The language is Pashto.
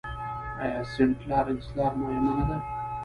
آیا سینټ لارنس لاره مهمه نه ده؟